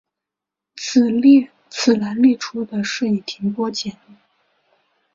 此栏列出的是已停播节目。